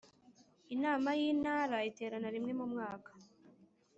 Inama y Intara iterana rimwe mu mwaka